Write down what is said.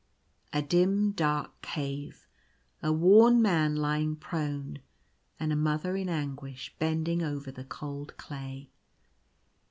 — A dim, dark cave — a worn man lying prone, and a Mother in anguish bending over the cold clay.